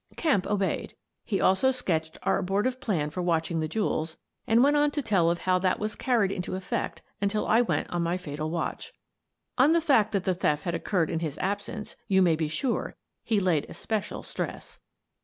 Kemp obeyed. He also sketched our abortive plan for watching the jewels and went on to tell of how that was carried into effect until I went on my fatal watch. On the fact that the theft had oc curred in his absence you may be sure he laid es pecial stress.